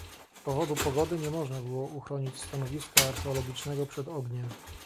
Z powodu pogody nie można było uchronić stanowiska archeologicznego przed ogniem